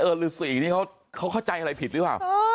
เออลูกศรีนี่เขาเข้าใจอะไรผิดหรือเปล่า